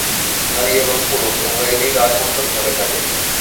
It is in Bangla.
নারী এবং পুরুষ উভয়েরই রাগমোচন ঘটে থাকে।